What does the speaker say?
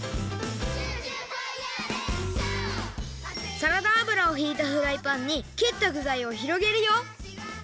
サラダあぶらをひいたフライパンにきったぐざいをひろげるよ。